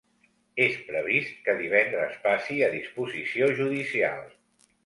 És previst que divendres passi a disposició judicial.